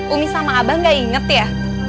umi sama abang gak inget ya